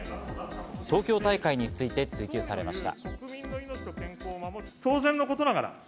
東京大会について追及されました。